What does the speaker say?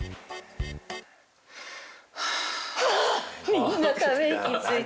みんなため息ついて。